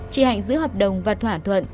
chị hạnh giữ hợp đồng và thỏa thuận